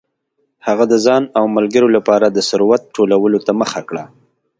هغه د ځان او ملګرو لپاره د ثروت ټولولو ته مخه کړه.